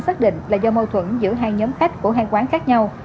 xác định là do mâu thuẫn giữa hai nhóm khách của hai quán khác nhau